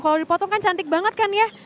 kalau dipotong kan cantik banget kan ya